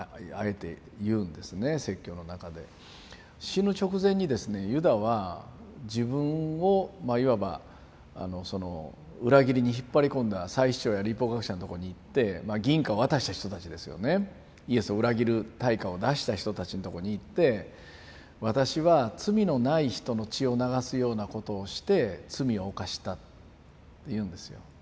死ぬ直前にですねユダは自分をまあいわばその裏切りに引っ張り込んだ祭司長や律法学者のとこに行ってまあ銀貨を渡した人たちですよねイエスを裏切る対価を出した人たちのとこに行って私は罪のない人の血を流すようなことをして罪を犯したって言うんですよ。